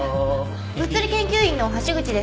物理研究員の橋口です。